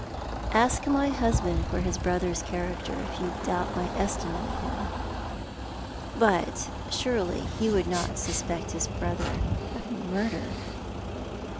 " Ask my husband for his brother's character, if you doubt my estimate of him." " But surely he would not suspect his brother of murder